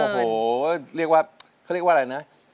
โอ้โหเค้าเรียกว่าอะไรเนี่ย